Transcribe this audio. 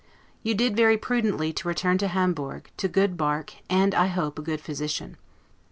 You did very prudently to return to Hamburg, to good bark, and, I hope, a good physician.